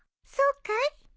そうかい？